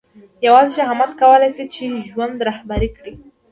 یوازې شهامت کولای شي چې ژوند رهبري کړي.